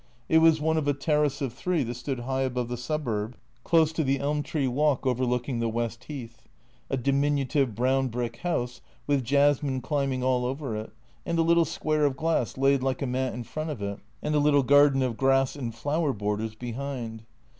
It was one of a terrace of three that stood high above the suburb, close to the elm tree walk overlooking the West Heath. A diminutive brown brick house, with jasmine climbing all over it, and a little square of glass laid like a mat in front of it, and a little garden of grass and flower borders behind.